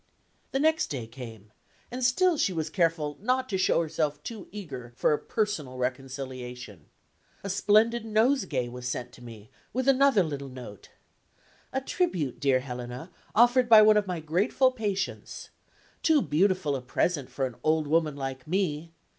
The next day came, and still she was careful not to show herself too eager for a personal reconciliation. A splendid nosegay was sent to me, with another little note: "A tribute, dear Helena, offered by one of my grateful patients. Too beautiful a present for an old woman like me.